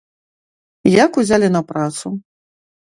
Як узялі на працу?